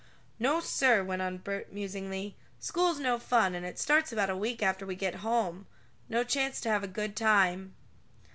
"No, sir," went on Bert musingly, "school's no fun, and it starts about a week after we get home. No chance to have a good time!"